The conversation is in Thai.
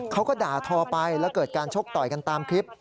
เขาก็ด่าทอไปแล้วเกิดการชกต่อยกันตามคลิป